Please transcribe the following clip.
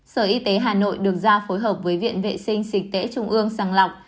sở y tế hà nội được giao phối hợp với viện vệ sinh sịch tễ trung ương sàng lọc